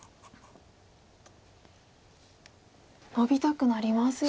ノビたくなりますよね。